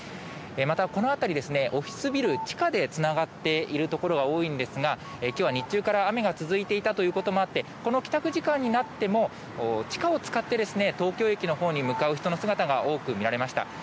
またこの辺りオフィスビル、地下でつながっている所が多いんですが、きょうは日中から雨が続いていたということもあってこの帰宅時間になっても地下を使って東京駅のほうに向かう人の姿が多く見られました。